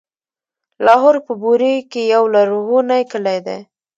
لاهور په بوري کې يو لرغونی کلی دی.